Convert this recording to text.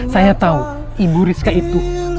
saya tahu ibu rizka itu